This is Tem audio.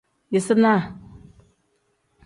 Yisinaa.